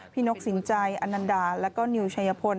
นกสินใจอนันดาแล้วก็นิวชัยพล